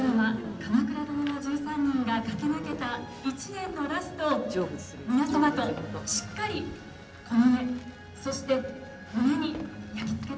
「鎌倉殿の１３人」が駆け抜けた１年のラストを皆様としっかりこの目そして胸に焼き付けて。